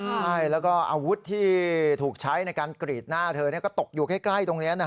ใช่แล้วก็อาวุธที่ถูกใช้ในการกรีดหน้าเธอก็ตกอยู่ใกล้ตรงนี้นะ